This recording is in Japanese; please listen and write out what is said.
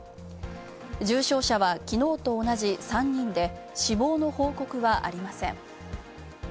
重症者は昨日と同じ３人で、死亡の報告はありません。